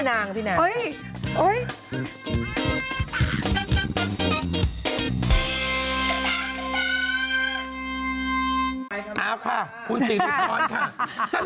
เอาค่ะคุณสิริทรคอนค่ะ